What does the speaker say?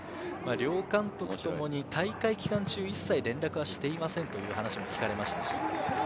両監督ともに大会期間中、一切連絡はしていませんという話も聞かれました。